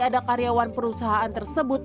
ada karyawan perusahaan tersebut